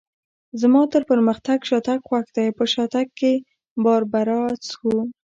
زما تر پرمختګ شاتګ خوښ دی، په شاتګ کې باربرا څښو.